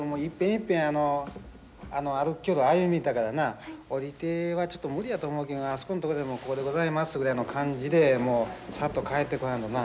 いっぺんあのあの歩きよる歩み板からな下りてはちょっと無理やと思うけあそこんとこでもう「ここでございます」ぐらいの感じでもうさっと帰ってこらんとな。